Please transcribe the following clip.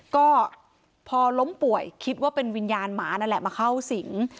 ก็พอล้มป่วยคิดว่าเป็นวิญญาณหมานั่นแหละมาเข้าสิง